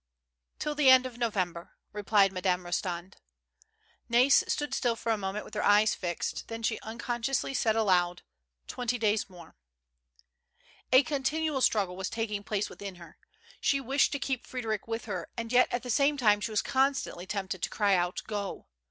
"" Till the end of October," replied Madame Kostand. Nai's stood still for a moment with her eyes fixed; then she unconsciously said aloud: " Twenty days more." A continual stniggle was taking place within her. She wished to keep Frederic with her, and yet at the same time she was constantly tempted to cry out, " Go